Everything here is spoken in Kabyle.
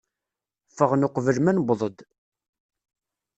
Ffɣen uqbel ma nuweḍ-d.